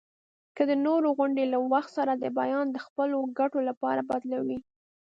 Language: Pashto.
که د نورو غوندي له وخت سره د بیان د خپلو ګټو لپاره بدلوي.